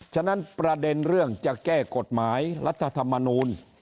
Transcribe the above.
ฉะนั้นประเด็นเรื่องจะแก้กฎหมายรัฐธรรมนูล